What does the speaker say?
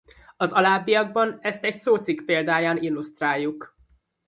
Az alábbiakban ezt egy szócikk példáján illusztráljuk.